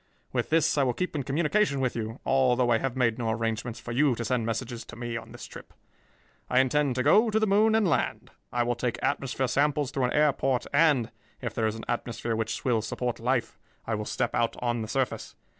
With this I will keep in communication with you, although I have made no arrangements for you to send messages to me on this trip. I intend to go to the moon and land. I will take atmosphere samples through an air port and, if there is an atmosphere which will support life, I will step out on the surface.